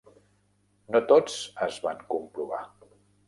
No tots es van comprovar.